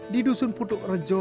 di dusun putuk rejo